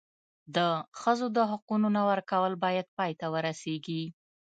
د ښځو د حقونو نه ورکول باید پای ته ورسېږي.